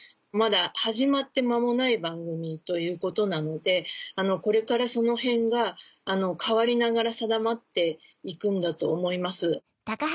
まだ始まって間もない番組ということなのでこれからそのへんが変わりながら定まって行くんだと思います。